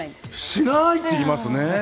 しない！って言いますね。